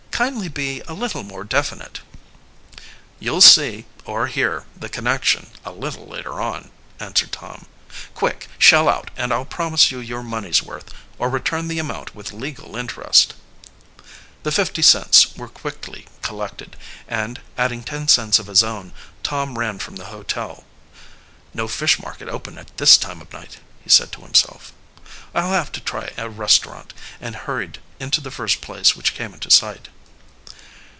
"Kindly be a little more definite." "You'll see, or hear, the connection a little later on," answered Tom. "Quick, shell out and I'll promise you your money's worth, or return the amount with legal interest." The fifty cents was quickly collected, and, adding ten cents of his own, Tom ran from the hotel. "No fish market open at this time of night," he said to himself. "I'll have to try a restaurant," and hurried into the first place which came into sight.